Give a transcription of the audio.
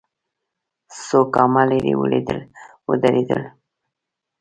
څو ګامه ليرې ودرېدل.